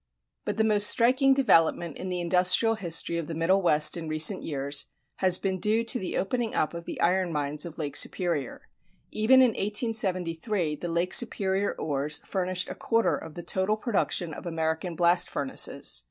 But the most striking development in the industrial history of the Middle West in recent years has been due to the opening up of the iron mines of Lake Superior. Even in 1873 the Lake Superior ores furnished a quarter of the total production of American blast furnaces.